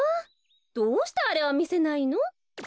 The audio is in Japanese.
どうしてあれはみせないの？え！